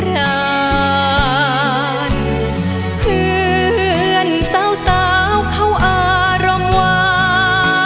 ด้านเพื่อนสาวเขาอ่ารางวัล